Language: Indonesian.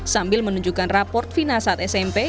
sambil menunjukkan raport fina saat smp